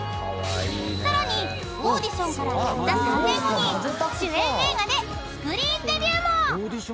［さらにオーディションからたった３年後に主演映画でスクリーンデビューも！］